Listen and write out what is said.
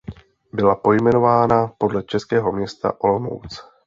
Byla pojmenována podle českého města Olomouc.